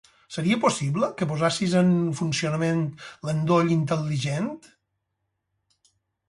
Seria possible que posessis en funcionament l'endoll intel·ligent?